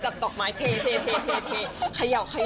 คือว่าเขาแบบซ่อนแหวนซ่อนแหวนในดอกไม้เลย